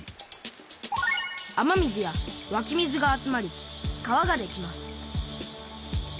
雨水やわき水が集まり川ができます